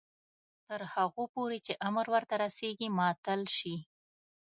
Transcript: تر هغو پورې چې امر ورته رسیږي معطل شي.